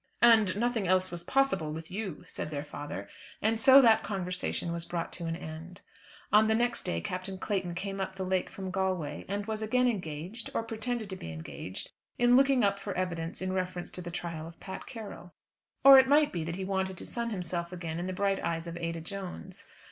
"And nothing else was possible with you," said their father. And so that conversation was brought to an end. On the next day Captain Clayton came up the lake from Galway, and was again engaged, or pretended to be engaged, in looking up for evidence in reference to the trial of Pat Carroll. Or it might be that he wanted to sun himself again in the bright eyes of Ada Jones.